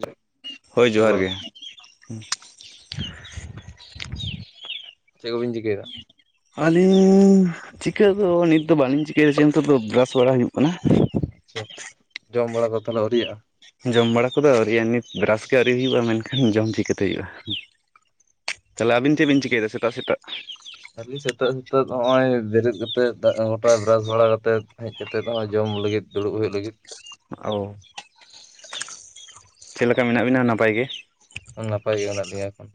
ᱡᱚ- ᱦᱳᱭ ᱦᱮᱞᱳ ᱡᱚᱦᱟᱨ ᱜᱮ ᱪᱮᱫ ᱠᱚᱵᱤᱱ ᱪᱤᱠᱟᱹᱭᱫᱟ? ᱟᱞᱤᱧ ᱪᱤᱠᱟᱹ ᱫᱚ ᱱᱤᱛ ᱫᱚ ᱵᱟᱞᱤᱧ ᱪᱤᱠᱟᱹᱭᱫᱟ ᱪᱮ ᱱᱤᱛᱚᱜ ᱫᱚ ᱵᱮᱨᱟᱥ ᱵᱟᱲᱟ ᱦᱩᱭᱩᱜ ᱠᱟᱱᱟ ᱟᱪᱷᱟ, ᱡᱚᱢ ᱵᱟᱲᱟ ᱫᱚ ᱛᱟᱦᱚᱞᱮ ᱟᱣᱨᱤᱭᱟᱜᱼᱟ? ᱡᱚᱢ ᱵᱟᱲᱟ ᱠᱚᱫᱚ ᱟᱣᱨᱤᱭᱟ ᱱᱤᱛ ᱵᱨᱟᱥ ᱜᱮ ᱟᱣᱨᱤ ᱦᱩᱭᱩᱜᱼᱟ, ᱢᱮᱱᱠᱷᱟᱱ ᱡᱚᱢ ᱪᱤᱠᱟᱹᱛᱮ ᱦᱩᱭᱩᱜᱼᱟ ᱛᱟᱦᱞᱮ ᱟᱵᱤᱱ ᱪᱮᱫ ᱵᱤᱱ ᱪᱤᱠᱟᱹᱭᱫᱟ ᱥᱮᱛᱟᱜ ᱥᱮᱛᱟᱜ? ᱟᱞᱤ ᱥᱮᱛᱟᱜ ᱥᱮᱛᱟᱜ ᱱᱚᱜᱼᱚᱭ ᱵᱮᱨᱮᱫ ᱠᱟᱛᱮᱫ ᱫᱟᱜ ᱜᱚᱴᱟ ᱵᱨᱟᱥ ᱵᱟᱲᱟ ᱠᱟᱛᱮᱫ ᱦᱮᱡ ᱠᱟᱛᱮᱫ ᱦᱚᱜᱼᱚᱭ ᱡᱚᱢ ᱞᱟᱹᱜᱤᱫ ᱫᱩᱲᱩᱵ ᱦᱩᱭᱩᱜ ᱞᱟᱹᱜᱤᱫ ᱳ ᱪᱮᱫ ᱞᱮᱠᱟ ᱢᱮᱱᱟᱜ ᱵᱤᱱᱟ ᱱᱟᱯᱟᱭ ᱜᱮ? ᱱᱟᱯᱟᱭ ᱜᱮ ᱢᱮᱱᱟᱜ ᱞᱤᱧᱟ ᱮᱠᱷᱚᱱ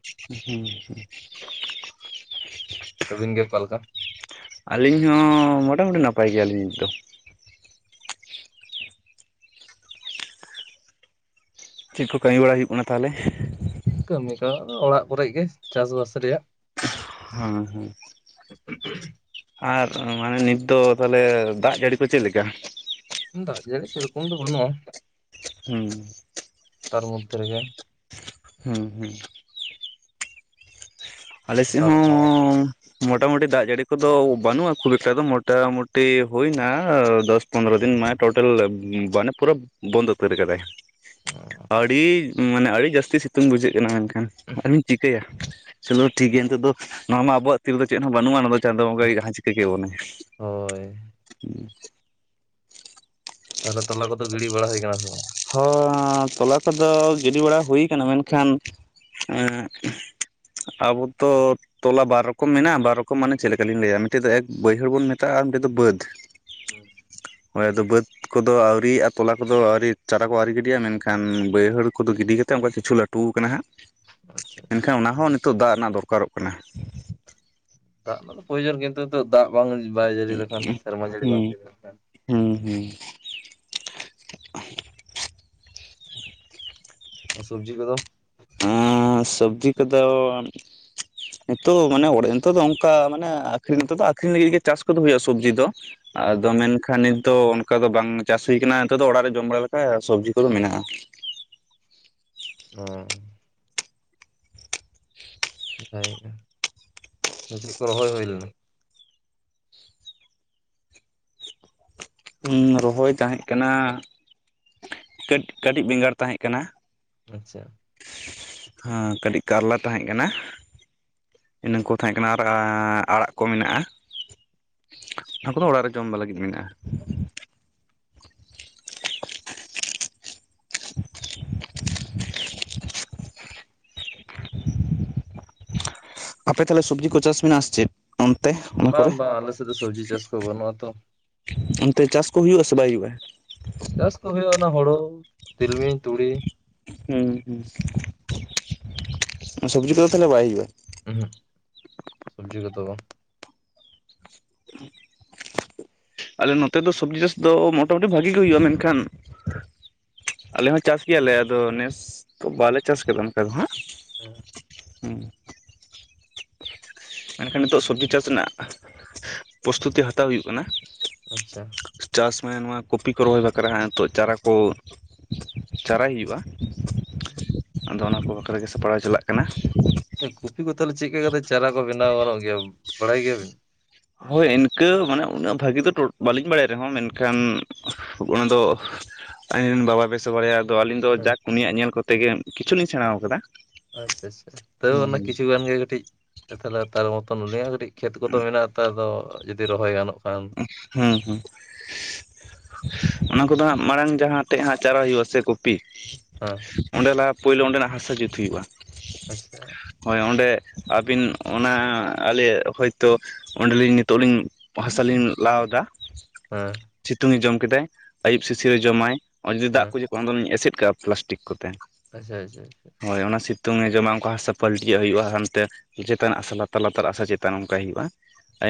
ᱟᱹᱵᱤᱱ ᱜᱮ ᱚᱠᱟ ᱞᱮᱠᱟ? ᱟᱞᱤᱧ ᱦᱚᱸ ᱢᱚᱴᱟᱢᱩᱴᱤ ᱱᱟᱯᱟᱭ ᱜᱮᱭᱟᱞᱤᱧ ᱱᱤᱛ ᱫᱚ ᱪᱮᱫ ᱠᱚ ᱠᱟᱹᱢᱤ ᱵᱟᱲᱟ ᱦᱩᱭᱩᱜ ᱠᱟᱱᱟ ᱛᱟᱦᱞᱮ? ᱠᱟᱹᱢᱤ ᱫᱚ ᱚᱲᱟᱜ ᱠᱚᱨᱮ ᱜᱮ ᱪᱟᱥᱵᱟᱥ ᱨᱮᱭᱟᱜ ᱦᱮᱸ ᱦᱮᱸ ᱟᱨ ᱢᱟᱱᱮ ᱱᱤᱛ ᱫᱚ ᱛᱟᱞᱦᱮ ᱫᱟᱜ ᱡᱟᱹᱲᱤ ᱠᱚ ᱪᱮᱫ ᱞᱮᱠᱟ? ᱫᱟᱜ ᱡᱟᱹᱲᱤ ᱥᱮᱨᱮᱠᱚᱢ ᱫᱚ ᱵᱟᱹᱱᱩᱜᱼᱟ ᱦᱩᱸ ᱛᱟᱨ ᱢᱚᱫᱽᱫᱷᱮ ᱨᱮᱜᱮ ᱦᱩᱸ ᱦᱩᱸ ᱟᱞᱮ ᱥᱮᱜ ᱟᱥᱟᱲ ᱦᱚᱸ ᱵᱚᱸᱜᱟ ᱢᱚᱴᱟᱢᱩᱴᱤ ᱫᱟᱜ ᱡᱟᱹᱲᱤ ᱠᱚᱫᱚ ᱵᱟᱹᱱᱩᱜᱼᱟ ᱠᱷᱩᱵ ᱮᱠᱴᱟ ᱫᱚ ᱢᱚᱴᱟᱢᱩᱴᱤ ᱦᱩᱭᱱᱟ ᱫᱚᱥ ᱯᱚᱱᱨᱚ ᱫᱤᱱ ᱢᱟᱱᱮ ᱴᱳᱴᱟᱞ [unintelligible] ᱯᱩᱨᱟᱹ ᱵᱚᱱᱫᱚ ᱩᱛᱟᱹᱨ ᱠᱟᱫᱟᱭ ᱟᱹᱰᱤ ᱢᱟᱱᱮ ᱟᱹᱰᱤ ᱡᱟᱹᱥᱛᱤ ᱥᱤᱛᱩᱝ ᱵᱩᱡᱷᱟᱹᱜ ᱠᱟᱱᱟ ᱢᱮᱱᱠᱷᱟᱱ [unintelligible] ᱪᱤᱠᱟᱹᱭᱟ ᱪᱚᱞᱚ ᱴᱷᱤᱠ ᱜᱮᱭᱟ ᱱᱤᱛᱚᱜ ᱫᱚ ᱱᱚᱣᱟᱢᱟ ᱟᱵᱚᱣᱟᱜ ᱛᱤ ᱨᱮ ᱫᱚ ᱪᱮᱫ ᱦᱚᱸ ᱵᱟᱹᱱᱩᱜᱼᱟ [unintelligible] ᱪᱟᱸᱫᱳ ᱵᱚᱸᱜᱟᱜᱮ ᱡᱟᱦᱟᱸ ᱪᱤᱠᱟᱹ ᱠᱮᱵᱚᱱᱮᱴᱟᱭ ᱦᱳᱭ ᱛᱟᱦᱞᱮ ᱛᱚᱞᱟ ᱠᱚᱫᱚ ᱜᱤᱲᱤ ᱵᱟᱲᱟ ᱦᱩᱭ ᱠᱟᱱᱟ ᱥᱮ ᱵᱟᱝ? ᱦᱚ ᱛᱚᱞᱟ ᱠᱚᱫᱚ ᱜᱤᱰᱤ ᱵᱟᱲᱟ ᱦᱩᱭ ᱠᱟᱱᱟ ᱢᱮᱱᱠᱷᱟᱱ [unintelligible] ᱟᱵᱚ ᱛᱚ ᱛᱚᱞᱟ ᱵᱟᱨ ᱨᱚᱠᱚᱢ ᱢᱮᱱᱟᱜᱼᱟ ᱵᱟᱨ ᱨᱚᱠᱚᱢ ᱢᱟᱱᱮ ᱪᱮᱫ ᱞᱮᱠᱟᱞᱤᱧ ᱞᱟᱹᱭᱟ ᱢᱤᱫᱴᱮᱡ ᱫᱚ ᱮᱠ ᱵᱟᱹᱭᱦᱟᱹᱲ ᱵᱚᱱ ᱢᱮᱛᱟᱜᱼᱟ ᱟᱨ ᱢᱤᱫᱴᱮᱡ ᱫᱚ ᱵᱟᱹᱫᱽ [unintelligible] ᱦᱳᱭ ᱟᱫᱚ ᱵᱟᱹᱫᱽ ᱠᱚᱫᱚ ᱟᱹᱣᱨᱤᱭᱟᱜᱼᱟ ᱛᱚᱞᱟ ᱠᱚᱫᱚ ᱟᱹᱣᱨᱤ ᱪᱟᱨᱟ ᱠᱚ ᱟᱹᱣᱨᱤ ᱜᱤᱰᱤᱜᱼᱟ ᱢᱮᱱᱠᱷᱟᱱ ᱵᱟᱹᱭᱦᱟᱹᱲ ᱠᱚᱫᱚ ᱜᱤᱰᱤ ᱠᱟᱛᱮᱫ ᱚᱱᱠᱟ ᱠᱤᱪᱷᱩ ᱞᱟᱹᱴᱩ ᱠᱟᱱᱟ ᱦᱟᱸᱜ᱾ ᱟᱪᱪᱷᱟ ᱢᱮᱱᱠᱷᱟᱱ ᱚᱱᱟᱦᱚᱸ ᱱᱤᱛᱚᱜ ᱫᱟᱜ ᱨᱮᱱᱟᱜ ᱫᱚᱨᱠᱟᱨᱚᱜ ᱠᱟᱱᱟ ᱫᱟᱜ [unintelligible] ᱯᱚᱭᱡᱚᱱ ᱠᱤᱱᱛᱩ ᱫᱟᱜ ᱵᱟᱝ ᱵᱟᱭ ᱡᱟᱹᱲᱤ ᱞᱮᱠᱷᱟᱱ ᱥᱮᱨᱢᱟ ᱡᱟᱹᱲᱤ ᱵᱟᱝ [unintelligible] ᱦᱩᱸ ᱞᱮᱠᱷᱟᱱ ᱦᱩᱸ ᱦᱩᱸ ᱥᱚᱵᱽᱡᱤ ᱠᱚᱫᱚ? [unintelligible] ᱥᱚᱵᱽᱡᱤ ᱠᱚᱫᱚ ᱱᱤᱛᱚᱜ ᱢᱟᱱᱮ [unintelligible] ᱱᱤᱛᱚᱜ ᱫᱚ ᱚᱱᱠᱟ ᱢᱟᱱᱮ ᱟᱠᱷᱨᱤᱧ ᱱᱤᱛᱚᱜ ᱫᱚ ᱟᱠᱨᱤᱧ ᱞᱟᱹᱜᱤᱫ ᱜᱮ ᱪᱟᱥ ᱠᱚᱫᱚ ᱦᱩᱭᱩᱜᱼᱟ, ᱥᱚᱵᱽᱡᱤ ᱫᱚ᱾ ᱟᱫᱚ ᱦᱩᱸ ᱢᱮᱱᱠᱷᱟᱱ ᱱᱤᱛ ᱛᱚ ᱚᱱᱠᱟ ᱫᱚ ᱵᱟᱝ ᱪᱟᱥ ᱦᱩᱭ ᱠᱟᱱᱟ ᱱᱤᱛᱚᱜ ᱫᱚ ᱚᱲᱟᱜ ᱨᱮ ᱡᱚᱢ ᱵᱟᱲᱟ ᱞᱮᱠᱟ ᱥᱚᱵᱽᱡᱤ ᱠᱚᱫᱚ ᱢᱮᱱᱟᱜᱼᱟ᱾ ᱚᱻ ᱱᱟᱯᱟᱭ ᱜᱮ [inaudible] ᱠᱚ ᱨᱚᱦᱚᱭ ᱦᱩᱭ ᱞᱮᱱᱟ? [inaudible] ᱨᱚᱦᱚᱭ ᱛᱟᱦᱮᱸᱜ ᱠᱟᱱᱟ ᱠᱟᱹᱴ ᱠᱟᱹᱴᱤᱡ ᱵᱤᱸᱜᱟᱲ ᱛᱟᱦᱮᱸᱡ ᱠᱟᱱᱟ᱾ ᱟᱪᱪᱷᱟ, [inaudible] ᱠᱟᱹᱴᱤᱡ ᱠᱟᱞᱞᱟ ᱛᱟᱦᱮᱸ ᱠᱟᱱᱟ᱾ ᱤᱱᱟᱹ ᱠᱚ ᱛᱟᱦᱮᱸ ᱠᱟᱱᱟ ᱟᱨ [inaudible] ᱟᱲᱟᱜ ᱠᱚ ᱢᱮᱱᱟᱜᱼᱟ᱾ ᱚᱱᱟ ᱠᱚᱫᱚ ᱚᱲᱟᱜ ᱨᱮ ᱡᱚᱢ ᱞᱟᱹᱜᱤᱫ ᱢᱮᱱᱟᱜᱼᱟ᱾ [inaudible] [inaudible] ᱟᱯᱮ ᱛᱷᱟᱞᱮ ᱥᱚᱵᱽᱡᱤ ᱠᱚ ᱪᱟᱥ ᱢᱮᱱᱟᱜ-ᱟ ᱥᱮ ᱪᱮᱜ? ᱵᱟᱝ ᱵᱟ ᱟᱞᱮ ᱥᱮᱫ ᱫᱚ ᱥᱚᱵᱽᱡᱤ ᱪᱟᱥ ᱠᱚ ᱵᱟᱹᱱᱩᱜᱼᱟ ᱛᱚ᱾ ᱚᱱᱛᱮ ᱪᱟᱥ ᱠᱚ ᱦᱩᱭᱩᱜ-ᱟ ᱥᱮ ᱵᱟᱭ ᱦᱩᱭᱩᱜᱼᱟ? ᱪᱟᱥ ᱠᱚ ᱦᱳᱭᱳᱜ-ᱟ ᱚᱱᱟ ᱦᱳᱲᱳ ᱛᱤᱞᱢᱤᱧ ᱛᱩᱲᱤ᱾ [inaudible] ᱥᱚᱵᱽᱡᱤ ᱠᱚᱫᱚ ᱛᱟᱦᱞᱮ ᱵᱟᱭ ᱦᱩᱭᱩᱜᱼᱟᱭ? ᱩᱸ ᱦᱩᱜ ᱥᱚᱵᱽᱡᱤ ᱠᱚᱫᱚ ᱵᱟᱝ᱾ [inaudible] ᱟᱞᱮ ᱱᱚᱛᱮ ᱫᱚ ᱥᱚᱵᱽᱡᱤ ᱪᱟᱥ ᱫᱚ ᱢᱳᱴᱟᱢᱩᱴᱤ ᱵᱷᱟᱜᱤ ᱜᱮ ᱦᱩᱭᱩᱜᱼᱟ ᱢᱮᱱᱠᱷᱟᱱ ᱟᱞᱮ ᱦᱚᱸ ᱪᱟᱥ ᱜᱮᱭᱟᱞᱮ ᱟᱫᱚ ᱱᱮᱥ ᱛᱚ ᱵᱟᱞᱮ ᱪᱟᱥ ᱠᱟᱫᱟ᱾ [inaudible] ᱢᱮᱱᱠᱷᱟᱱ ᱱᱤᱛᱚᱜ ᱥᱚᱵᱽᱡᱤ ᱪᱟᱥ ᱨᱮᱱᱟᱜ ᱯᱚᱥᱛᱩᱛᱤ ᱦᱟᱛᱟᱣ ᱦᱩᱭᱩᱜ ᱠᱟᱱᱟ᱾ ᱟᱪᱪᱷᱟ, ᱪᱟᱥ ᱢᱟᱱᱮ ᱱᱚᱣᱟ ᱠᱚᱯᱤ ᱠᱚ ᱨᱚᱦᱚᱭ ᱵᱟᱠᱷᱨᱟ [inaudible] ᱛᱚᱜ ᱪᱟᱨᱟ ᱠᱚ ᱪᱟᱨᱟᱭ ᱦᱩᱭᱩᱜᱼᱟ᱾ ᱟᱫᱚ ᱚᱱᱟ ᱠᱚ ᱵᱟᱠᱷᱟᱨᱟ ᱜᱮ ᱥᱟᱯᱲᱟᱣ ᱪᱟᱞᱟᱜ ᱠᱟᱱᱟ ᱾ ᱟᱪᱪᱷᱟ ᱠᱚᱯᱤ ᱠᱚ ᱛᱟᱞᱦᱮ ᱪᱮᱜ ᱠᱟᱛᱮ ᱪᱟᱨᱟ ᱠᱚ ᱵᱮᱱᱟᱣ ᱜᱟᱱᱚᱜ ᱜᱮᱭᱟ ᱵᱟᱲᱟᱭ ᱜᱮᱭᱟᱵᱤᱱ? ᱦᱳᱭ ᱤᱱᱠᱟᱹ ᱢᱟᱱᱮ ᱩᱱᱟᱹᱜ ᱵᱷᱟᱹᱜᱤ ᱫᱚ ᱵᱟᱹᱞᱤᱧ ᱵᱟᱲᱟᱭ ᱨᱮᱦᱚᱸ ᱢᱮᱱᱠᱷᱟᱱ ᱼᱼ ᱚᱱᱟ ᱫᱚ ᱟᱭᱤᱱ ᱨᱮᱱ ᱵᱟᱵᱟ ᱵᱮᱥ ᱼᱼ ᱥᱚ ᱵᱟᱲᱟᱭᱟ ᱟᱫᱚ ᱟᱹᱞᱤᱧ ᱫᱚ ᱦᱮᱸ ᱡᱟᱠ ᱩᱱᱤᱭᱟᱜ ᱧᱮᱞ ᱠᱚᱛᱮ ᱜᱮ ᱠᱤᱪᱷᱩ ᱞᱤᱧ ᱥᱮᱬᱟᱣ ᱠᱟᱫᱟ ᱾ ᱟᱪᱪᱷᱟ ᱟᱪᱪᱷᱟ ᱛᱚᱣ ᱚᱱᱟ ᱠᱤᱪᱷᱩ ᱜᱟᱱ ᱜᱮ ᱠᱟᱹᱴᱤᱡ ᱛᱟᱞᱮ ᱛᱟᱨ ᱢᱚᱛᱚᱱ ᱞᱟᱹᱭᱟ ᱠᱟᱹᱴᱤᱡ ᱾ ᱠᱷᱮᱛ ᱠᱚᱫᱚ ᱢᱮᱱᱟᱜ ᱟᱛᱚ ᱟᱫᱚ ᱡᱩᱫᱤ ᱨᱚᱦᱚᱭ ᱜᱟᱱᱚᱜ ᱠᱷᱟᱱ ᱾ ᱦᱩᱸ ᱦᱩᱸ [inaudible] ᱚᱱᱟ ᱠᱚᱫᱚ ᱦᱟᱸᱜ ᱢᱟᱲᱟᱝ ᱡᱟᱦᱟᱸ ᱴᱷᱮᱜ ᱦᱟᱸᱜ ᱪᱟᱨᱟ ᱦᱩᱭᱩᱜᱼᱟ ᱥᱮ ᱠᱩ ᱼᱼ ᱯᱤ ᱦᱮᱸ ᱚᱸᱰᱮ ᱞᱟᱦᱟ ᱯᱳᱭᱞᱳ ᱚᱸᱰᱮᱱᱟᱜ ᱦᱟᱥᱟ ᱡᱩᱛ ᱦᱩᱭᱩᱜᱼᱟ ᱾ ᱟᱪᱪᱷᱟ ᱾ ᱦᱳᱭ ᱚᱸᱰᱮ ᱟᱵᱤᱱ ᱚᱱᱟ ᱟᱞᱮ ᱦᱚᱭᱛᱳ ᱚᱸᱰᱮ ᱞᱤᱧ ᱱᱤᱛᱚᱜ ᱞᱤᱧ ᱼᱼ ᱛᱟᱞᱤᱧ ᱞᱟᱣ ᱫᱟ ᱾ ᱦᱮᱸ ᱾ ᱪᱷᱤᱛᱩᱝ ᱮ ᱡᱚᱢ ᱠᱮᱫᱟᱭ ᱟᱹᱭᱩᱵ ᱥᱤᱥᱤᱨ ᱮ ᱡᱚᱢᱟᱭ ᱚ ᱡᱩᱫᱤ ᱫᱟᱜ ᱦᱮᱸ ᱠᱚ ᱼᱼ ᱠᱚᱱ ᱫᱚᱞᱤᱧ ᱮᱥᱮᱫ ᱠᱟᱜᱼᱟ ᱯᱞᱟᱥᱴᱤᱠ ᱠᱚᱛᱮ ᱾ ᱟᱪᱪᱷᱟ ᱟᱪᱪᱷᱟ ᱟᱪᱪᱷᱟ ᱾ ᱦᱳᱭ ᱚᱱᱟ ᱥᱤᱛᱩᱝ ᱮ ᱡᱚᱢᱟ ᱚᱝᱠᱟ ᱦᱟᱥᱟ ᱯᱟᱹᱞᱴᱤᱭᱟᱜ ᱦᱩᱭᱩᱜᱼᱟ ᱦᱟᱱᱛᱮ ᱾ ᱪᱮᱛᱟᱱᱟᱜ ᱦᱟᱥᱟ ᱞᱟᱛᱟᱨ ᱞᱟᱛᱟᱨ ᱦᱟᱥᱟ ᱪᱮᱛᱟᱱ ᱚᱱᱠᱟᱭ ᱦᱩᱭᱩᱜᱼᱟ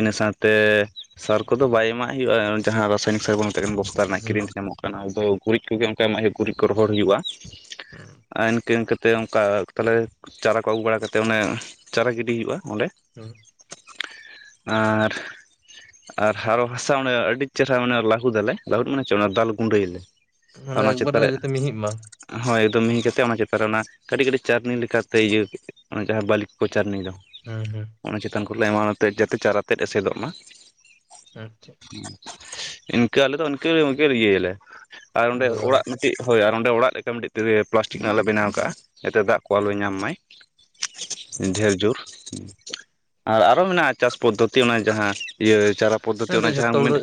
ᱤᱱᱟᱹ ᱥᱟᱶ ᱛᱮ ᱼᱼ ᱥᱟᱨ ᱠᱚᱫᱚ ᱵᱟᱭ ᱮᱢᱟᱜ ᱦᱩᱭᱩᱜᱼᱟ ᱡᱟᱦᱟᱸ ᱨᱟᱥᱟᱭᱚᱱᱤᱠ ᱥᱟᱨ ᱵᱚᱱ ᱢᱮᱛᱟᱜ ᱠᱟᱱᱟ ᱵᱚᱥᱛᱟ ᱨᱮᱱᱟᱜ ᱠᱤᱨᱤᱧ ᱦᱩᱸ ᱛᱮ ᱧᱟᱢᱚᱜᱼᱟ ᱾ ᱠᱟᱱᱟ ᱟᱫᱚ ᱜᱩᱨᱤᱡ ᱠᱚᱜᱮ ᱚᱝᱠᱟ ᱮᱢᱟᱜ ᱦᱩᱭᱩᱜ ᱜᱩᱨᱤᱡ ᱠᱚ ᱨᱚᱦᱚᱲ ᱦᱩᱭᱩᱜᱼᱟ ᱦᱩᱸ ᱤᱱᱠᱟᱹ ᱤᱱᱠᱟᱹ ᱼᱼ ᱛᱮ ᱚᱝᱠᱟ ᱛᱟᱞᱮ ᱪᱟᱨᱟ ᱠᱚ ᱟᱹᱜᱩ ᱵᱟᱲᱟ ᱠᱟᱛᱮ ᱚᱱᱮ ᱪᱟᱨᱟ ᱜᱤᱰᱤ ᱦᱩᱭᱩᱜᱼᱟ ᱚᱸᱰᱮ ᱾ ᱦᱩᱸ ᱾ ᱟᱨ ᱼᱼ ᱟᱨ ᱦᱟᱨᱚ ᱦᱟᱥᱟ ᱚᱱᱮ ᱟᱹᱰᱤ ᱪᱮᱨᱦᱟ ᱢᱟᱱᱮ ᱞᱟᱹᱦᱩᱫ ᱫᱟᱞᱮ ᱞᱟᱹᱦᱩᱫ ᱢᱟᱱᱮ ᱪᱮᱜ ᱫᱟᱞ ᱜᱩᱸᱰᱟᱹᱭᱟᱞᱮ ᱾ ᱢᱟᱱᱮ ᱚᱱᱟ ᱪᱮᱛᱟ ᱮᱠᱵᱟᱨᱮ ᱨᱮᱜ ᱡᱟᱛᱮ ᱢᱤᱦᱤᱜ ᱢᱟ ᱦᱳᱭ ᱮᱠᱫᱚᱢ ᱢᱤᱦᱤ ᱠᱟᱛᱮ ᱚᱱᱟ ᱪᱮᱛᱟᱱ ᱨᱮ ᱚᱱᱟ ᱠᱟᱹᱴᱤᱡ ᱠᱟᱹᱴᱤᱡ ᱪᱟᱨᱱᱤ ᱞᱮᱠᱟ ᱛᱮ ᱤᱭᱟᱹ ᱚᱱᱟ ᱡᱟᱦᱟᱸ ᱵᱟᱹᱞᱤ ᱠᱚᱠᱚ ᱪᱟᱨᱱᱤ ᱫᱚ ᱾ ᱦᱩᱸ ᱦᱩᱸ ᱾ ᱚᱱᱟ ᱪᱮᱛᱟᱱ ᱠᱚᱨᱮ ᱞᱮ ᱮᱢᱟᱣᱟᱜ ᱚᱱᱟ ᱛᱮ ᱡᱟᱛᱮ ᱪᱟᱨᱟ ᱛᱮᱫ ᱮᱥᱮᱫᱚᱜ ᱢᱟ ᱾ ᱟᱪᱪᱷᱟ ᱾ ᱤᱱᱠᱟᱹ ᱟᱞᱮ ᱫᱚ ᱤᱱᱠᱟᱹ ᱤᱱᱠᱟᱹ ᱤᱭᱟᱹᱭ ᱟᱞᱮ ᱟᱨ ᱚᱸᱰᱮ ᱟᱫᱚ ᱟᱫᱚ ᱚᱲᱟᱜ ᱼᱼ ᱴᱤᱡ ᱦᱳᱭ ᱟᱨ ᱚᱸᱰᱮ ᱚᱲᱟᱜ ᱞᱮᱠᱟ ᱢᱤᱫᱴᱤᱡ ᱛᱮ ᱯᱞᱟᱥᱴᱤᱠ ᱨᱮᱱᱟᱜ ᱞᱮ ᱵᱮᱱᱟᱣ ᱠᱟᱜᱼᱟ, ᱡᱟᱛᱮ ᱫᱟᱜ ᱠᱚ ᱟᱞᱚᱭ ᱧᱟᱢ ᱢᱟᱭ ᱾ ᱰᱷᱮᱨ ᱡᱳᱨ ᱟᱨ ᱟᱨᱚ ᱢᱮᱱᱟᱜᱼᱟ ᱪᱟᱥ ᱯᱚᱫᱽᱫᱷᱚᱛᱤ ᱚᱱᱟ ᱡᱟᱦᱟᱸ ᱼᱼ ᱤᱭᱟ. ᱪᱟᱨᱟ ᱯᱚᱫᱽᱫᱷᱚᱛᱤ ᱦᱮᱸ ᱟᱫᱚ ᱚᱱᱟ ᱡᱷᱚᱛᱚ ᱡᱟᱦᱟᱸᱢ ᱦᱚᱲ ᱢᱮᱱᱴ ᱫᱚ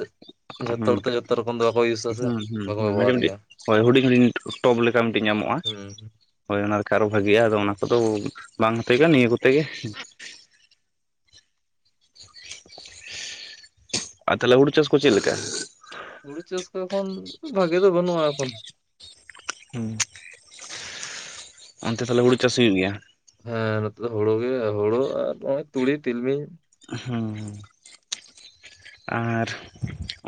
ᱡᱷᱚᱛᱚ ᱦᱩᱸ ᱦᱚᱲ ᱛᱚ ᱡᱷᱚᱛᱚ ᱨᱚᱠᱚᱢ ᱫᱚ ᱵᱟᱠᱚ ᱤᱭᱩᱥᱟ ᱥᱮ ᱦᱩᱸ ᱵᱟᱠᱚ ᱦᱩᱸ ᱚᱱᱟ ᱜᱮ ᱵᱮᱵᱚᱦᱟᱨ ᱢᱤᱫᱴᱤᱡ ᱜᱮᱭᱟ ᱼᱼ ᱦᱳᱭ ᱦᱩᱰᱤᱧ ᱦᱩᱰᱤᱧ ᱴᱚᱯ ᱞᱮᱠᱟ ᱢᱤᱫᱴᱤᱡ ᱧᱟᱢᱚᱜᱼᱟ ᱦᱩᱸ ᱾ ᱦᱳᱭ ᱚᱱᱟ ᱨᱮᱠᱷᱟᱡ ᱟᱨᱚ ᱵᱷᱟᱜᱮᱭᱟ ᱟᱫᱚ ᱚᱱᱟ ᱠᱚᱫᱚ ᱵᱟᱝ ᱦᱟᱛᱮ ᱜᱮ ᱱᱤᱭᱟᱹ ᱠᱚᱛᱮ ᱜᱮ ᱾ ᱟᱨ ᱛᱟᱦᱞᱮ ᱦᱩᱲᱩ ᱪᱟᱥ ᱠᱚ ᱪᱮᱜ ᱞᱮᱠᱟ? ᱦᱩᱲᱩ ᱪᱟᱥ ᱠᱚ ᱮᱠᱷᱚᱱ ᱵᱷᱟᱜᱤ ᱫᱚ ᱵᱟᱹᱱᱩᱜᱼᱟ ᱮᱠᱷᱚᱱ ᱾ ᱦᱩᱸ ᱾ ᱚᱱᱛᱮ ᱛᱟᱦᱞᱮ ᱦᱩᱲᱩ ᱪᱟᱥ ᱦᱩᱭᱩᱜ ᱜᱮᱭᱟ? ᱦᱮᱸ ᱱᱚᱛᱮ ᱫᱚ ᱦᱩᱲᱩ ᱜᱮ ᱦᱩᱲᱩ ᱟᱨ ᱦᱚᱜᱼᱚᱭ ᱛᱩᱲᱤ ᱛᱤᱞᱢᱤᱧ ᱾ ᱦᱩᱸ ᱾ ᱟᱨ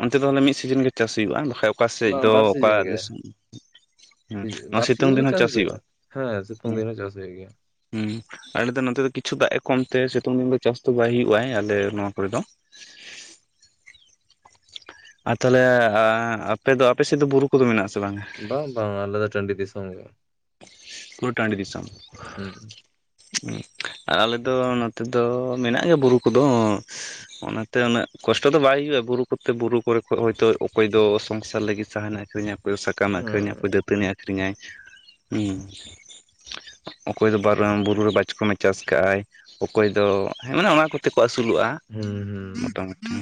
ᱚᱱᱛᱮ ᱫᱚ ᱛᱟᱦᱚᱞᱮ ᱢᱤᱫ ᱥᱤᱡᱤᱱ ᱜᱮ ᱪᱟᱥ ᱦᱩᱭᱩᱜᱼᱟ ᱵᱟᱠᱷᱟᱡ ᱼᱼ ᱚᱠᱟ ᱥᱮᱡ ᱵᱟᱝ ᱫᱚ ᱵᱟᱨ ᱚᱠᱟ ᱥᱤᱡᱤᱱ ᱜᱮ ᱫᱤᱥᱚᱢ ᱼᱼ ᱵᱟᱨ ᱥᱤᱡᱤᱱ ᱜᱮ ᱪᱟᱥ ᱫᱚ ᱦᱩᱭᱩᱜᱼᱟ, ᱦᱮᱸ ᱥᱤᱛᱩᱝ ᱫᱤᱱ ᱦᱚᱸ ᱪᱟᱥ ᱫᱚ ᱦᱩᱭᱩᱜ ᱜᱮᱭᱟ ᱾ ᱦᱩᱸ ᱟᱞᱮ ᱫᱚ ᱱᱚᱛᱮ ᱫᱚ ᱠᱤᱪᱷᱩ ᱫᱟᱜ ᱮ ᱠᱚᱢᱛᱮ ᱥᱤᱛᱩᱝ ᱫᱤᱱ ᱫᱚ ᱪᱟᱥ ᱫᱚ ᱵᱟᱭ ᱦᱩᱭᱩᱜ-ᱟᱭ ᱟᱞᱮ ᱱᱚᱣᱟ ᱠᱚᱨᱮ ᱫᱚ ᱾ ᱟᱨ ᱛᱟᱞᱮ ᱟᱯᱮ ᱫᱚ ᱟᱯᱮ ᱥᱮᱡ ᱫᱚ ᱵᱩᱨᱩ ᱠᱚᱫᱚ ᱢᱮᱱᱟᱜ-ᱟ ᱥᱮ ᱵᱟᱝ? ᱵᱟᱝ ᱵᱟᱝ ᱟᱞᱮ ᱫᱟ ᱴᱟᱺᱰᱤ ᱫᱤᱥᱚᱢ ᱜᱮ ᱾ ᱜᱩᱨ ᱴᱟᱺᱰᱤ ᱫᱤᱥᱚᱢ ᱾ ᱦᱩᱸ ᱟᱨ ᱟᱞᱮ ᱫᱚ ᱱᱚᱛᱮ ᱫᱚ ᱢᱮᱱᱟᱜ ᱜᱮᱭᱟ ᱵᱩᱨᱩ ᱠᱚᱫᱚ ᱚᱱᱟᱛᱮ ᱩᱱᱟᱹᱜ ᱠᱚᱥᱴᱚ ᱫᱚ ᱵᱟᱭ ᱦᱩᱭᱩᱜᱼᱟ ᱵᱩᱨᱩ ᱠᱚᱛᱮ ᱵᱩᱨᱩ ᱠᱚᱨᱮ ᱠᱷᱚᱱ ᱦᱚᱭᱛᱳ ᱚᱠᱚᱭ ᱫᱚ ᱥᱚᱝᱥᱟᱨ ᱞᱟᱹᱜᱤᱫ ᱥᱟᱱᱮ ᱟᱹᱠᱷᱨᱤᱧ ᱚᱠᱚᱭ ᱫᱚ ᱥᱟᱠᱟᱢᱮ ᱟᱹᱷᱨᱤᱧᱟ ᱦᱩᱸ ᱚᱠᱚᱭ ᱫᱟᱹᱛᱟᱹᱱᱤ ᱟᱹᱠᱷᱨᱤ ᱧᱟᱭ ᱦᱩᱸ ᱚᱠᱚᱭ ᱫᱚ ᱵᱟᱨᱟᱝ ᱵᱩᱨᱩ ᱨᱮ ᱵᱟᱪ ᱠᱚᱢᱮ ᱪᱟᱥ ᱠᱟᱜ ᱟᱭ ᱚᱠᱚᱭ ᱫᱚ ᱢᱟᱱᱮ ᱚᱱᱟ ᱠᱚᱛᱮ ᱠᱚ ᱟᱹᱥᱩᱞᱚᱜᱼᱟ ᱦᱩᱸ ᱦᱩᱸ ᱢᱚᱴᱟᱢᱩᱴᱤ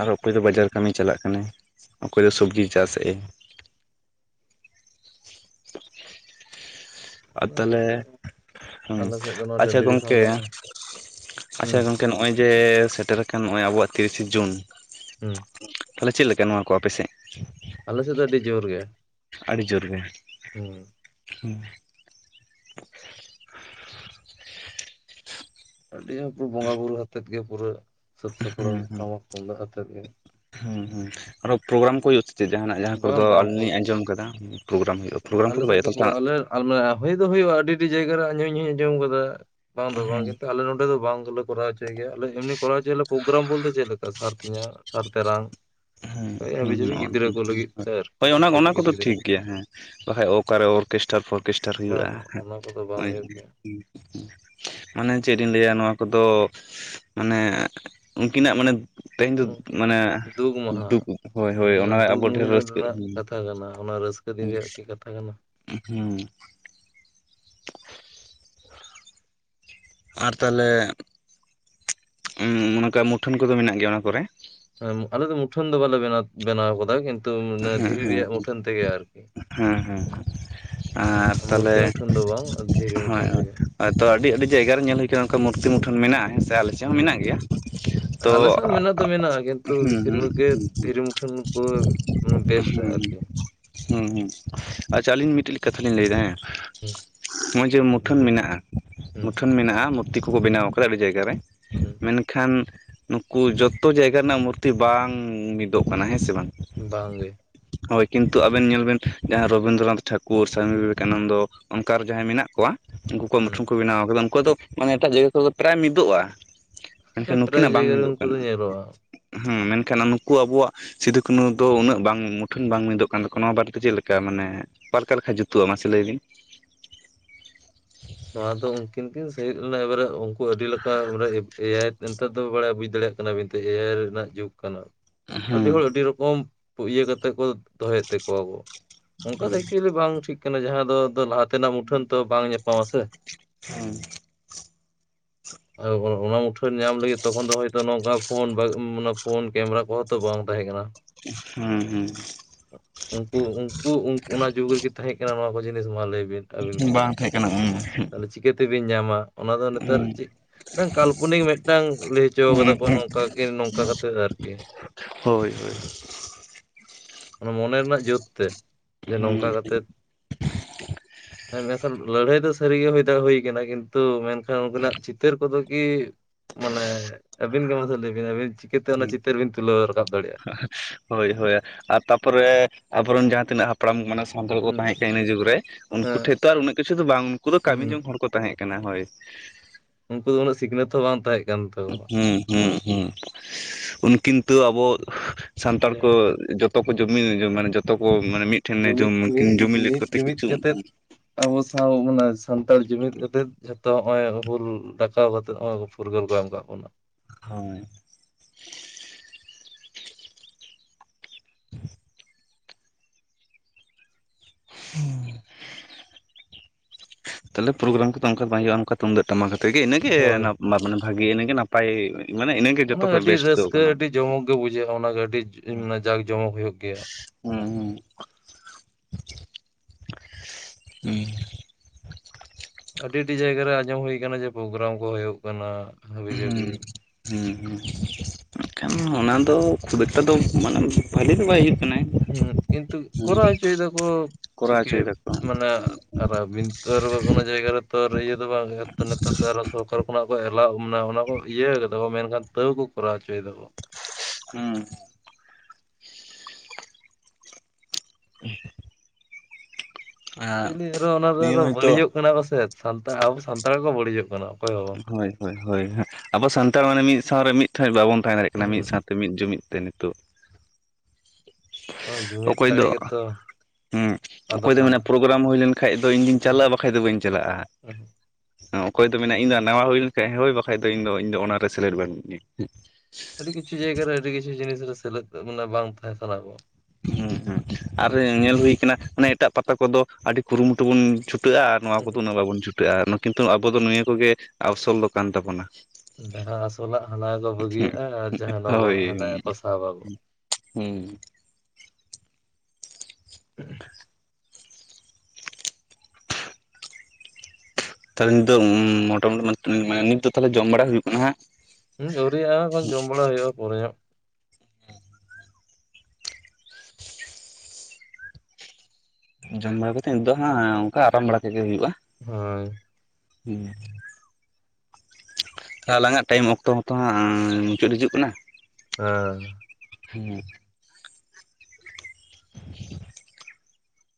ᱟᱨ ᱦᱚ ᱚᱠᱚᱭ ᱫᱚ ᱵᱟᱡᱟᱨ ᱠᱟᱹᱢᱤ ᱪᱟᱞᱟᱜ ᱠᱟᱱᱟᱭ ᱚᱠᱚᱭ ᱫᱚ ᱥᱚᱵᱽᱡᱤ ᱪᱟᱥ ᱮᱫ ᱮ [unintelligible] ᱟᱨ ᱟᱞᱮ ᱛᱟᱦᱚᱞᱮ ᱥᱮᱫ ᱫᱚ ᱦᱩᱸ ᱟᱞᱮ ᱥᱮᱫ ᱫᱚ ᱱᱚᱣᱟ ᱟᱪᱪᱷᱟ ᱴᱟᱺᱰᱤ ᱫᱤᱥᱚᱢ ᱜᱚᱝᱠᱮ ᱠᱟᱱᱟ ᱟᱪᱪᱷᱟ ᱦᱩᱸ ᱜᱚᱝᱠᱮ ᱜᱮ ᱱᱚᱜᱼᱚᱭ ᱡᱮ ᱥᱮᱴᱮᱨ ᱟᱠᱟᱱ ᱱᱚᱜᱼᱚᱭ ᱟᱵᱚᱣᱟᱜ ᱛᱤᱨᱤᱥᱮ ᱡᱩᱱ ᱦᱩᱸ ᱛᱟᱦᱚᱞᱮ ᱪᱮᱫ ᱞᱮᱠᱟ ᱱᱚᱣᱟ ᱠᱚ ᱟᱯᱮ ᱥᱮᱫ ᱟᱞᱮ ᱥᱮᱫ ᱟᱹᱰᱤ ᱡᱳᱨ ᱜᱮ ᱟᱹᱰᱤ ᱡᱳᱨ ᱜᱮ ᱦᱩᱸ [unintelligible] [unintelligible] ᱟᱹᱰᱤ ᱵᱚᱸᱜᱟ ᱵᱩᱨᱩ ᱟᱛᱮᱫ ᱜᱮ ᱯᱩᱨᱟᱹ ᱥᱟᱹᱛ ᱥᱟᱯᱲᱟᱣ ᱴᱟᱢᱟᱠ ᱛᱩᱢᱫᱟᱜ ᱟᱛᱮᱫ ᱜᱮ᱾ ᱦᱮᱸ ᱦᱩᱸ ᱟᱨᱚ ᱯᱨᱳᱜᱨᱟᱢ ᱠᱚ ᱦᱩᱭᱩᱜ ᱥᱮ ᱪᱮᱫ ᱡᱟᱦᱟᱱᱟᱜ ᱡᱟᱦᱟᱸ ᱠᱚᱫᱚ ᱵᱟᱝ ᱵᱟᱝ ᱟᱹᱞᱤᱧ ᱞᱤᱧ ᱯᱳ ᱟᱸᱡᱚᱢ ᱠᱟᱫᱟ᱾ ᱯᱨᱳᱜᱨᱟᱢ ᱦᱩᱭᱩᱜᱼᱟ ᱯᱨᱳᱜᱨᱟᱢ ᱠᱚᱫᱚ ᱮᱠᱟᱞᱴᱟᱜ, ᱟᱨ ᱢᱟᱱᱮ ᱦᱩᱭ ᱫᱚ ᱦᱩᱭᱩᱜᱼᱟ ᱟᱹᱰᱤ ᱟᱹᱰᱤ ᱡᱟᱭᱜᱟᱨᱮ ᱟᱸᱡᱚᱢ ᱤᱧ ᱟᱸᱡᱚᱢ ᱠᱟᱫᱟ᱾ ᱵᱟᱝ ᱫᱚ ᱵᱟᱝ ᱠᱤᱱᱛᱩ ᱟᱞᱮ ᱱᱚᱰᱮ ᱫᱚ ᱵᱟᱝ ᱜᱮᱞᱮ ᱠᱚᱨᱟᱣᱪᱚ᱾ ᱴᱷᱤᱠ ᱜᱮᱭᱟ ᱟᱞᱮ ᱮᱢᱱᱤ ᱠᱚᱨᱟ ᱦᱚᱪᱚᱭᱭᱟᱞᱮ ᱯᱨᱳᱜᱨᱟᱢ ᱵᱚᱞᱛᱮ ᱪᱮᱫ ᱞᱮᱠᱟ ᱥᱟᱨ ᱛᱤᱧᱟ ᱥᱟᱨ ᱛᱮᱨᱟᱝ᱾ ᱦᱳᱭ ᱦᱟᱹᱵᱤ ᱦᱮᱸ ᱡᱟᱹᱵᱤ ᱦᱩᱸ ᱜᱤᱫᱽᱨᱟᱹ ᱠᱚ ᱞᱟᱹᱜᱤᱫ ᱛᱮ ᱟᱨᱠᱤ ᱦᱳᱭ ᱚᱱᱟ ᱚᱱᱟ ᱠᱟᱹᱴᱤᱡ ᱠᱚᱫᱚ ᱠᱟᱹᱴᱤᱡ ᱜᱤᱫᱽᱨᱟᱹ ᱴᱷᱤᱠ ᱠᱚ᱾ ᱜᱮᱭᱟ ᱦᱮᱸ᱾ ᱵᱟᱠᱷᱟᱡ ᱚᱠᱟᱨᱮ ᱚᱨᱠᱮᱥᱴᱟᱨ ᱯᱷᱚᱨᱠᱮᱥᱴᱟᱨ ᱦᱩᱭᱩᱜᱼᱟ ᱵᱟᱝ ᱵᱟᱝ ᱚᱱᱟ ᱠᱚᱫᱚ ᱵᱟᱝ ᱚᱭ᱾ ᱦᱩᱭᱩᱜ ᱜᱮᱭᱟ ᱢᱟᱱᱮ ᱪᱮᱫ ᱤᱧ ᱞᱟᱹᱭᱟ ᱱᱚᱣᱟ ᱠᱚᱫᱚ ᱢᱟᱱᱮ ᱩᱱᱠᱤᱱᱟᱜ ᱢᱟᱱᱮ, ᱛᱮᱦᱮᱧ ᱫᱚ ᱜᱚᱝᱠᱮ᱾ ᱢᱟᱱᱮ, ᱫᱩᱠ ᱢᱟᱦᱟ ᱫᱩᱠ ᱦᱳᱭ ᱦᱳᱭ ᱢᱟᱱᱮ ᱚᱱᱟ ᱫᱩᱠ ᱟᱵᱚ ᱰᱷᱮᱨ ᱢᱩᱦᱤᱱᱟ ᱨᱟᱹᱥᱠᱟᱹ ᱨᱮᱱᱟᱜ ᱦᱮᱸ ᱠᱟᱛᱷᱟ ᱠᱟᱱᱟ ᱚᱱᱟ ᱨᱟᱹᱥᱠᱟᱹ ᱫᱤᱱ ᱨᱮᱭᱟᱜ ᱠᱤ ᱠᱟᱛᱷᱟ ᱠᱟᱱᱟ᱾ ᱦᱩᱸ, ᱟᱨ ᱛᱟᱦᱚᱞᱮ, ᱚᱱᱠᱟ ᱢᱩᱴᱷᱟᱹᱱ ᱠᱚᱫᱚ ᱢᱮᱱᱟᱜ ᱜᱮᱭᱟ ᱚᱱᱟ ᱠᱚᱨᱮ? ᱟᱞᱮ ᱫᱚ ᱢᱩᱴᱷᱟᱹᱱ ᱫᱚ ᱵᱟᱞᱮ ᱵᱮᱱᱟᱣ ᱠᱟᱫᱟ ᱠᱤᱱᱛᱩ ᱦᱮᱸ ᱫᱷᱤᱨᱤ ᱦᱮᱸ ᱨᱮᱭᱟᱜ ᱢᱩᱴᱷᱟᱹᱱ ᱛᱮᱜᱮ ᱟᱨᱠᱤ᱾ ᱦᱮᱸ ᱦᱮᱸ᱾ ᱟᱨ ᱛᱟᱦᱚᱞᱮ ᱢᱩᱨᱛᱤ ᱢᱩᱴᱷᱟᱹᱱ ᱫᱚ ᱵᱟᱝ ᱫᱷᱤᱨᱤ ᱢᱩᱴᱷᱟᱹᱱ ᱦᱳᱭ ᱦᱳᱭ, ᱛᱮᱜᱮ ᱦᱳᱭᱛᱚ ᱟᱹᱰᱤ ᱟᱹᱰᱤ ᱡᱟᱭᱜᱟ ᱨᱮ ᱧᱮᱞ ᱦᱩᱭᱩᱜ ᱱᱚᱱᱠᱟ ᱢᱩᱨᱛᱤ ᱢᱩᱴᱷᱟᱹᱱ ᱢᱮᱱᱟᱜᱼᱟ ᱦᱮᱸ ᱥᱮ ᱟᱞᱮ ᱪᱮᱫ ᱦᱚᱸ ᱦᱩᱸ ᱢᱮᱱᱟᱜ ᱜᱮᱭᱟ᱾ ᱛᱚ ᱟᱞᱮ ᱥᱮᱫ ᱦᱚᱸ ᱢᱮᱱᱟᱜ ᱫᱚ ᱢᱮᱱᱟᱜᱼᱟ ᱠᱤᱱᱛᱩ ᱦᱩᱸ ᱵᱮᱥᱤᱨ ᱵᱷᱟᱜᱽ ᱜᱮ ᱫᱷᱤᱨᱤ ᱢᱩᱴᱷᱟᱹᱱ ᱠᱚ, ᱢᱟᱱᱮ ᱵᱮᱥᱴᱟ ᱦᱮᱸ ᱟᱨᱠᱤ ᱦᱩᱸ ᱦᱩᱸ ᱟᱪᱪᱷᱟ ᱟᱹᱞᱤᱧ ᱢᱤᱫᱴᱮᱡ ᱠᱟᱛᱷᱟ ᱞᱤᱧ ᱞᱟᱹᱭᱫᱟ ᱦᱮᱸ, ᱦᱩᱸ ᱱᱚᱜᱼᱚᱭ ᱡᱮ ᱞᱟᱹᱭ ᱢᱩᱴᱷᱟᱹᱱ ᱵᱤᱱ ᱢᱮᱱᱟᱜᱼᱟ ᱦᱩᱸ ᱢᱩᱴᱷᱟᱹᱱ ᱢᱮᱱᱟᱜᱼᱟ᱾ ᱛᱤ ᱠᱚ ᱠᱚ ᱵᱮᱱᱟᱣ ᱠᱟᱫᱟ ᱟᱹᱰᱤ ᱡᱟᱭᱜᱟ ᱨᱮ᱾ ᱦᱩᱸ, ᱮᱱᱠᱷᱟᱱ ᱱᱩᱠᱩ ᱡᱚᱛᱚ ᱡᱟᱭᱜᱟ ᱨᱮᱱᱟᱜ ᱢᱩᱨᱛᱤ ᱵᱟᱝ ᱢᱤᱫᱚᱜ ᱠᱟᱱᱟ ᱦᱮᱸ ᱥᱮ ᱵᱟᱝ? ᱵᱟᱝᱜᱮ᱾ ᱦᱳᱭ ᱠᱤᱱᱛᱩ ᱟᱵᱮᱱ ᱧᱮᱞ ᱵᱮᱱ ᱡᱟᱦᱟᱸ ᱨᱚᱵᱤᱱᱫᱨᱚᱱᱟᱛᱷ ᱴᱷᱟᱠᱩᱨ ᱥᱟᱢᱤ ᱵᱤᱵᱮᱠᱟᱱᱚᱱᱫᱚ ᱚᱱᱠᱟ ᱟᱨ ᱡᱟᱦᱟᱸᱭ ᱢᱮᱱᱟᱜ ᱠᱚᱣᱟ᱾ ᱩᱱᱠᱩ ᱠᱚᱣᱟᱜ ᱢᱩᱴᱷᱟᱹᱱ ᱦᱩᱸ ᱠᱚ ᱵᱮᱱᱟᱣ ᱠᱟᱫᱟ ᱩᱱᱠᱩᱣᱟᱜ ᱫᱚ ᱢᱟᱱᱮ ᱮᱴᱟᱜ ᱡᱟᱭᱜᱟ ᱠᱚᱨᱮ ᱫᱚ ᱯᱨᱟᱭ ᱢᱤᱫᱚᱜᱼᱟ᱾ ᱢᱮᱱᱠᱷᱟᱱ ᱦᱮᱸ ᱯᱨᱟᱭ ᱱᱩᱠᱤᱱᱟᱜ ᱵᱟᱝ ᱡᱟᱭᱜᱟ ᱨᱮ ᱢᱤᱫᱚᱜ ᱩᱱᱠᱩ ᱠᱟᱱᱟ ᱫᱚ ᱧᱮᱞᱚᱜᱼᱟ ᱦᱮᱸ ᱢᱮᱱᱠᱷᱟᱱ ᱱᱩᱠᱩ ᱟᱵᱚᱣᱟᱜ ᱥᱤᱫᱩ ᱠᱟᱱᱩ, ᱫᱚ ᱩᱱᱟᱹᱜ ᱵᱟᱝ ᱢᱩᱴᱷᱟᱹᱱ ᱵᱟᱝ ᱢᱤᱫᱚᱜ ᱠᱟᱱ ᱛᱟᱠᱚ ᱱᱚᱣᱟ ᱵᱟᱨᱮᱛᱮ ᱪᱮᱫ ᱞᱮᱠᱟ ᱢᱟᱱᱮ ᱚᱠᱟ ᱞᱮᱠᱟ ᱞᱮᱠᱷᱟᱱ ᱡᱩᱛᱩᱜᱼᱟ ᱢᱟᱥᱮ ᱞᱟᱹᱭ ᱵᱤᱱ? ᱱᱚᱣᱟ ᱫᱚ ᱩᱱᱠᱤᱱ ᱠᱤᱱ ᱥᱟᱹᱦᱮᱫ ᱞᱮᱱᱟ ᱮᱵᱟᱨᱮ ᱩᱱᱠᱩ ᱟᱹᱰᱤ ᱞᱮᱠᱟᱱ ᱮ ᱟᱭ ᱱᱮᱛᱟᱨ ᱫᱚ ᱵᱟᱲᱟᱭ ᱵᱩᱡ ᱫᱟᱲᱮᱭᱟᱜ ᱠᱟᱱᱟ ᱵᱤᱱᱛᱚ ᱮ ᱟᱭ ᱨᱮᱱᱟᱜ ᱡᱩᱜᱽ ᱠᱟᱱᱟ ᱟᱹᱰᱤ ᱦᱚᱲ ᱦᱮᱸ ᱟᱹᱰᱤ ᱨᱚᱠᱚᱢ᱾ ᱠᱚᱢ ᱤᱭᱟᱹ ᱠᱟᱛᱮ ᱠᱚ ᱫᱚᱦᱚᱭᱮᱫ ᱛᱮᱠᱚᱣᱟ ᱠᱚ ᱚᱱᱠᱟ ᱫᱚ ᱮᱠᱪᱩᱭᱮᱞᱤ ᱵᱟᱝ ᱴᱷᱤᱠ ᱡᱟᱦᱟᱸ ᱫᱚ ᱞᱟᱦᱟ ᱛᱮᱱᱟᱜ ᱢᱩᱴᱷᱟᱹᱱ ᱛᱚ ᱵᱟᱝ ᱧᱟᱯᱟᱢᱟ ᱥᱮ? ᱦᱚᱸ, [unintelligible] ᱚᱱᱟ ᱢᱩᱴᱷᱟᱹᱱ ᱧᱟᱢ ᱞᱟᱹᱜᱤᱫ ᱛᱚᱠᱷᱚᱱ ᱫᱚ ᱦᱚᱭ ᱱᱚᱝᱠᱟ ᱯᱷᱳᱱ ᱯᱷᱳᱱ ᱠᱮᱢᱮᱨᱟ ᱠᱚᱦᱚᱸ ᱛᱚ ᱵᱟᱝ ᱛᱟᱦᱮᱸ ᱠᱟᱱᱟ᱾ ᱦᱚᱸ ᱦᱚᱸ, ᱩᱱᱠᱩ ᱩᱱᱠᱩ ᱚᱱᱟ ᱡᱩᱜᱽ ᱨᱮᱜᱮ ᱛᱟᱦᱮᱸᱠᱟᱱᱟ ᱱᱚᱣᱟ ᱠᱚ ᱡᱤᱱᱤᱥ ᱢᱟ ᱞᱟᱹᱭ ᱵᱤᱱ? ᱟᱹᱵᱤᱱ ᱜᱮ ᱵᱟᱝ ᱛᱟᱦᱮᱸ ᱠᱟᱱᱟ ᱩᱱᱢᱟ᱾ ᱛᱟᱦᱚᱞᱮ ᱪᱤᱠᱟᱹᱛᱮᱵᱤᱱ ᱧᱟᱢᱟ ᱚᱱᱟ ᱫᱚ ᱱᱮᱛᱟᱨ ᱪᱮᱫ, ᱵᱟᱝ ᱠᱟᱞᱯᱚᱱᱤᱠ ᱢᱤᱫᱴᱟᱝ ᱞᱟᱹᱭ ᱦᱚᱪᱚ ᱠᱟᱫᱟ ᱦᱩᱸ ᱠᱚ ᱦᱩᱸ ᱱᱚᱝᱠᱟ ᱠᱤ ᱱᱚᱝᱠᱟ ᱠᱟᱛᱮᱜ ᱟᱨ ᱠᱤ᱾ ᱦᱳᱭ ᱦᱳᱭ, ᱚᱱᱟ ᱢᱚᱱᱮ ᱨᱮᱱᱟᱜ ᱡᱳᱨ ᱛᱮ ᱡᱮ ᱱᱚᱝᱠᱟ ᱦᱩᱸ ᱠᱟᱛᱮᱜ᱾ ᱦᱮᱸ ᱢᱮᱱᱠᱷᱟᱱ ᱞᱟᱹᱲᱦᱟᱹᱭ ᱫᱚ ᱥᱟᱹᱨᱤᱜᱮ ᱦᱩᱭ ᱫᱚ ᱦᱩᱭ ᱠᱟᱱᱟ ᱠᱤᱱᱛᱩ ᱢᱮᱱᱠᱷᱟᱱ, ᱩᱱᱠᱤᱱᱟᱜ ᱪᱤᱛᱟᱹᱨ ᱠᱚᱫᱚ ᱠᱤ? ᱢᱟᱱᱮ ᱟᱹᱵᱤᱱ ᱜᱮ ᱢᱟᱥᱮ ᱞᱟᱹᱭ ᱵᱤᱱ ᱟᱹᱵᱤᱱ ᱪᱤᱠᱟᱹ ᱛᱮ ᱦᱩᱸ ᱚᱱᱟ ᱪᱤᱛᱟᱹᱨ ᱵᱤᱱ ᱛᱩᱞᱟᱹᱣ ᱨᱟᱠᱟᱵ ᱫᱟᱲᱮᱭᱟᱜᱼᱟ [unintelligible] ᱦᱳᱭ ᱦᱳᱭ ᱟᱨ ᱛᱟᱯᱚᱨᱮ ᱟᱵᱚ ᱨᱮᱱ ᱡᱟᱦᱟᱸ ᱛᱤᱱᱟᱹᱜ ᱦᱟᱯᱼᱼ ᱦᱟᱯᱲᱟᱢ ᱢᱟᱱᱮ ᱥᱟᱱᱛᱟᱲ ᱠᱚ ᱛᱟᱦᱮᱸ ᱦᱩᱸ ᱠᱟᱱᱟ ᱤᱱᱟᱹ ᱡᱩᱜᱽ ᱨᱮ ᱩᱱᱠᱩ ᱦᱮᱸ ᱴᱷᱮᱡᱼᱼ ᱛᱟᱨ ᱩᱱᱟᱹᱜ ᱠᱤᱪᱷᱩ ᱫᱚ ᱵᱟᱝ ᱩᱱᱠᱩ ᱫᱚ ᱠᱟᱹᱢᱤ ᱦᱩᱸ ᱡᱚᱝ ᱦᱚᱲ ᱠᱚ ᱛᱟᱦᱮᱸ ᱠᱟᱱᱟ ᱦᱳᱭ ᱩᱱᱠᱩ ᱫᱚ ᱩᱱᱟᱹᱜ ᱥᱤᱠᱱᱟᱹᱛ ᱦᱚᱸ ᱵᱟᱝ ᱛᱟᱦᱮᱸ ᱠᱟᱱ ᱛᱚᱼᱼ ᱦᱚᱸ ᱦᱚᱸ ᱦᱚᱸ ᱩᱱᱠᱤᱱᱛᱩ ᱟᱵᱚ [unintelligible] ᱥᱟᱱᱛᱟᱲ ᱡᱮ ᱠᱚ [unintelligible] ᱡᱚᱛᱚ ᱠᱚ [unintelligible] ᱢᱟᱱᱮ ᱡᱚᱛᱚ ᱠᱚ ᱢᱟᱱᱮ ᱡᱩᱢᱤᱫ ᱢᱤᱫ ᱢᱤᱫᱴᱷᱮᱱ [unintelligible] ᱢᱤᱫ ᱠᱚᱛᱮ ᱡᱩᱢᱤᱫ ᱠᱤᱪᱷᱩᱼᱼ ᱠᱟᱛᱮᱫ ᱟᱵᱚ ᱥᱟᱶ ᱚᱱᱟ ᱥᱟᱱᱛᱟᱲ ᱡᱩᱢᱤᱫ ᱠᱟᱛᱮᱫ ᱡᱚᱛᱚ ᱱᱚᱜ ᱚᱭ ᱦᱩᱞ ᱫᱟᱠᱟᱣ ᱠᱟᱛᱮᱜ ᱱᱚᱜᱚᱭᱼᱼ ᱯᱷᱩᱨᱜᱟᱹᱞ ᱠᱚ ᱮᱢ ᱠᱟ ᱵᱚᱱᱟ ᱦᱚᱸ ᱦᱩᱸ ᱛᱟᱦᱞᱮ ᱯᱨᱳᱜᱨᱟᱢ ᱠᱚᱫᱚ ᱚᱱᱠᱟ ᱫᱚ ᱵᱟᱝ ᱦᱩᱭᱩᱜᱼᱟ ᱚᱱᱠᱟ ᱛᱩᱢᱫᱟᱹᱜ ᱴᱟᱢᱟᱠ ᱟᱛᱮᱜ ᱜᱮ ᱤᱱᱟᱹ ᱜᱮᱭ ᱦᱳᱭ [unintelligible] ᱵᱷᱟᱜᱮ ᱤᱱᱟᱹ ᱜᱮ ᱱᱟᱯᱟᱭ ᱢᱟᱱᱮ ᱤᱱᱟᱹ ᱜᱮ ᱚᱱᱟ ᱡᱚᱛᱚ ᱠᱷᱚᱡ ᱟᱹᱰᱤ ᱵᱮᱥᱴ ᱫᱚ ᱨᱟᱹᱥᱠᱟᱹ ᱠᱟᱱᱟ ᱟᱹᱰᱤ ᱡᱚᱢᱚᱠ ᱜᱮ ᱵᱩᱡᱷᱟᱹᱜᱼᱟ ᱚᱱᱟ ᱜᱮ ᱟᱹᱰᱤ ᱡᱟᱜ ᱡᱚᱢᱚᱠ ᱦᱩᱭᱩᱜ ᱜᱮᱭᱟ ᱦᱩᱸ ᱦᱩᱸ ᱦᱚᱸ ᱟᱹᱰᱤ ᱟᱹᱰᱤ ᱡᱟᱭᱜᱟ ᱨᱮ ᱟᱸᱡᱚᱢ ᱦᱳᱭ ᱠᱟᱱᱟ ᱡᱮ ᱯᱨᱳᱜᱨᱟᱢ ᱠᱚ ᱦᱳᱭᱳᱜ ᱠᱟᱱᱟ ᱦᱟᱹᱵᱤ ᱡᱟᱹᱵᱤ ᱦᱩᱸ ᱦᱩᱸ, ᱮᱱᱠᱷᱟᱱ ᱚᱱᱟ ᱫᱚ ᱠᱷᱩᱵ ᱮᱠᱴᱟ ᱫᱚ ᱢᱟᱱᱮ ᱵᱷᱟᱞᱮ ᱫᱚ ᱵᱟᱭ ᱦᱩᱭᱩᱜ ᱠᱟᱱᱟ ᱦᱩᱸ ᱠᱤᱱᱛᱩ ᱦᱩᱸ ᱠᱚᱨᱟᱣ ᱦᱚᱪᱚᱭ ᱫᱟᱠᱚ ᱠᱚᱨᱟᱣ ᱪᱤᱠᱟᱹᱭ ᱦᱚᱪᱚᱭ ᱫᱟᱠᱚ ᱟᱢ ᱢᱟᱱᱮ ᱟᱨ ᱟᱵᱤᱱ ᱛᱚ ᱟᱨ ᱡᱟᱭᱜᱟ ᱨᱮᱛᱚ ᱤᱭᱟᱹ ᱫᱚ ᱵᱟᱝ ᱛᱚ ᱱᱮᱛᱟᱨ ᱫᱚ ᱥᱚᱨᱠᱟᱨ ᱠᱷᱚᱱᱟᱜ ᱠᱚ ᱮᱞᱟᱣ ᱩᱢ ᱢᱟᱱᱮ ᱚᱱᱟ ᱠᱚ ᱤᱭᱟᱹ ᱠᱟᱫᱟ ᱠᱚ ᱢᱮᱱ ᱠᱷᱟᱱ ᱛᱟᱹᱣ ᱠᱚᱨᱟᱣ ᱦᱚᱪᱚᱭ ᱫᱟ ᱠᱚ᱾ ᱦᱩᱸ [inaudible] ᱟᱨ ᱮᱠᱪᱩᱭᱮᱞᱤ ᱟᱨᱚ ᱚᱱᱟ ᱱᱤᱭᱟᱹ ᱨᱮ ᱦᱚᱭᱛᱳ ᱵᱟᱹᱲᱤᱡᱚᱜ ᱠᱟᱱᱟ ᱠᱚᱥᱮ ᱥᱟᱱᱛᱟ ᱟᱵᱚ ᱥᱟᱱᱛᱟᱲ ᱠᱚ ᱵᱟᱹᱲᱤᱡᱚᱜ ᱠᱟᱱᱟ ᱚᱠᱚᱭ ᱦᱚᱸ ᱵᱟᱝ ᱦᱳᱭ ᱦᱳᱭ ᱦᱳᱭ ᱟᱵᱚ ᱥᱟᱱᱛᱟᱲ ᱢᱟᱱᱮ ᱢᱤᱫ ᱥᱟᱶ ᱨᱮ ᱢᱤᱫᱴᱷᱮᱱ ᱵᱟᱵᱚᱱ ᱛᱟᱦᱮᱸ ᱫᱟᱲᱮᱭᱟᱜ ᱠᱟᱱᱟ ᱢᱤᱫ ᱥᱟᱶ ᱢᱤᱫ ᱡᱩᱢᱤᱫ ᱛᱮ ᱱᱤᱛᱚᱜ᱾ ᱦᱩᱸ ᱡᱩᱢᱤᱫ ᱚᱠᱚᱭ ᱫᱟᱲᱮ ᱫᱚ ᱜᱮᱛᱚ ᱦᱩᱸ ᱟᱫᱚᱜ ᱚᱠᱚᱭ ᱫᱚ ᱠᱟᱱᱟ ᱢᱟᱱᱮ [unintelligible] ᱯᱨᱳᱜᱨᱟᱢ ᱦᱩᱭ ᱞᱮᱱᱠᱷᱟᱡ ᱫᱚ ᱤᱧ ᱫᱚᱧ ᱪᱟᱞᱟᱜᱼᱟ ᱵᱟᱠᱷᱟᱡ ᱫᱚ ᱵᱟᱹᱧ ᱪᱟᱞᱟᱜᱼᱟ᱾ [unintelligible] ᱚᱠᱚᱭ ᱫᱚ ᱢᱮᱱᱟ ᱤᱧ ᱫᱚ ᱱᱟᱣᱟ ᱦᱩᱭ ᱞᱮᱱᱠᱷᱟᱡ ᱦᱳᱭ ᱵᱟᱠᱷᱟᱡ ᱫᱚᱧ ᱚᱱᱟ ᱨᱮ [unintelligible] ᱟᱹᱰᱤ ᱠᱤᱪᱷᱩ ᱡᱟᱭᱜᱟ ᱨᱮ ᱟᱹᱰᱤ ᱠᱤᱪᱷᱩ ᱡᱤᱱᱤᱥ ᱨᱮ ᱥᱮᱞᱮᱫ ᱢᱟᱱᱮ ᱵᱟᱝ ᱛᱟᱦᱮᱸ ᱥᱟᱱᱟ ᱠᱚᱣᱟ᱾ ᱦᱮᱸ ᱦᱮᱸ ᱟᱨ ᱧᱮᱞ ᱦᱩᱭ ᱠᱟᱱᱟ ᱚᱱᱮ ᱮᱴᱟᱜ ᱯᱟᱛᱟ ᱠᱚᱫᱚ ᱟᱹᱰᱤ ᱠᱩᱨᱩᱢᱩᱴᱩ ᱵᱚᱱ ᱪᱷᱩᱴᱟᱹᱜᱼᱟ᱾ ᱱᱚᱣᱟ ᱠᱚᱫᱚ ᱩᱱᱟᱹᱜ ᱵᱟᱵᱚᱱ ᱪᱷᱩᱴᱟᱹᱜᱼᱟ ᱠᱤᱱᱛᱩ ᱟᱵᱚ ᱫᱚ ᱱᱤᱭᱟᱹ ᱠᱚᱜᱮ ᱟᱣᱥᱚᱞ ᱫᱚ ᱠᱟᱱ ᱛᱟᱵᱚᱱᱟ᱾ ᱡᱟᱦᱟᱸ ᱟᱥᱚᱞᱟᱜ ᱦᱟᱱᱟ ᱠᱚ ᱦᱩᱸ ᱵᱟᱹᱜᱤᱭᱟᱜᱼᱟ ᱟᱨ ᱡᱟᱦᱟᱸ ᱱᱚᱵᱚᱞᱟᱜ ᱦᱟᱱᱟ ᱠᱚ ᱥᱟᱵᱟ᱾ ᱦᱮᱸ ᱛᱟᱦᱞᱮ ᱱᱤᱛᱚᱜ ᱢᱚᱴᱟᱢᱩᱴᱤ [unintelligible] ᱱᱤᱛ ᱫᱚ ᱛᱟᱦᱞᱮ ᱡᱚᱢ ᱵᱟᱲᱟ ᱦᱩᱭᱩᱜ ᱠᱟᱱᱟ ᱦᱮᱸ ᱦᱩᱸ ᱟᱹᱣᱨᱤᱭᱟᱜᱼᱟ ᱮᱠᱷᱚᱱ ᱡᱚᱢ ᱵᱟᱲᱟ ᱦᱩᱭᱩᱜᱼᱟ ᱯᱩᱨᱮ ᱧᱚᱜ ᱡᱚᱢ ᱵᱟᱲᱟ ᱠᱚᱛᱮ ᱫᱚ ᱦᱟᱸᱜ ᱚᱱᱠᱟ ᱟᱨᱟᱢ ᱵᱟᱲᱟ ᱠᱮᱫ ᱜᱮ ᱦᱩᱭᱩᱜᱼᱟ᱾ ᱦᱳᱭ ᱦᱩᱸ ᱟᱞᱟᱝᱼᱟᱜ ᱴᱟᱭᱤᱢ ᱚᱠᱛᱚ ᱦᱚᱛᱚ ᱦᱟᱸᱜ ᱢᱩᱪᱟᱹᱫ ᱦᱤᱡᱩᱜ ᱠᱟᱱᱟ᱾ ᱦᱟᱸ ᱦᱩᱸ